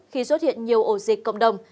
khi xuất hiện nhiều ổ dịch cộng đồng